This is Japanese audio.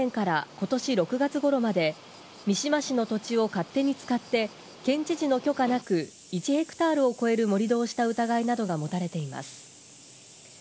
逮捕された前田延博容疑者は、２００８年からことし６月ごろまで、三島市の土地を勝手に使って、県知事の許可なく、１ヘクタールを超える盛り土をした疑いなどが持たれています。